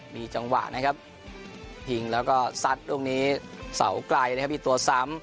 มีจังหวะนะครับยิงแล้วก็ซัดลูกนี้เสาไกลนะครับมีตัวซ้ำ